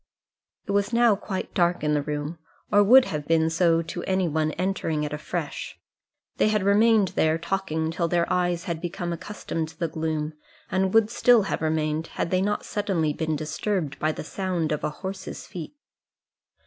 It was now quite dark in the room, or would have been so to any one entering it afresh. They had remained there talking till their eyes had become accustomed to the gloom, and would still have remained, had they not suddenly been disturbed by the sound of a horse's feet.